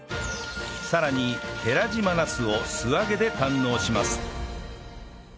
さらに寺島ナスを素揚げで堪能します